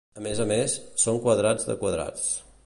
A més a més, són quadrats de quadrats.